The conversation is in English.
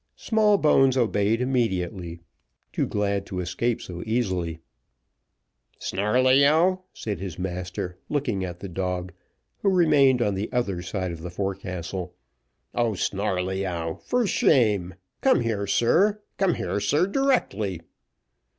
Smallbones obeyed immediately, too glad to escape so easily. "Snarleyyow," said his master, looking at the dog, who remained on the other side of the forecastle; "O Snarleyyow, for shame! Come here, sir. Come here, sir, directly."